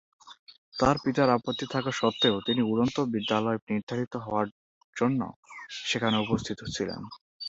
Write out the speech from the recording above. তার পিতার আপত্তি থাকা সত্ত্বেও তিনি উড়ন্ত বিদ্যালয়ে নির্ধারিত হওয়ার জন্য সেখানে উপস্থিত ছিলেন।